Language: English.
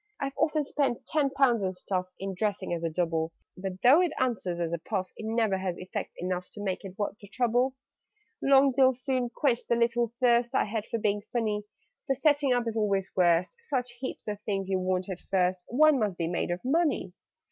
"I've often spent ten pounds on stuff, In dressing as a Double; But, though it answers as a puff, It never has effect enough To make it worth the trouble. "Long bills soon quenched the little thirst I had for being funny. The setting up is always worst: Such heaps of things you want at first, One must be made of money!